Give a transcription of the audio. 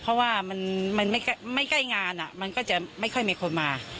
เพราะว่ามันไม่ใกล้งานมันก็จะไม่ค่อยมีคนมา